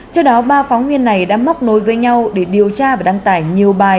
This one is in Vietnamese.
trước đó ba phóng viên này đã móc nối với nhau để điều tra và đăng tải nhiều bài